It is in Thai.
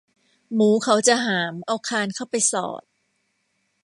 หมูเขาจะหามเอาคานเข้าไปสอด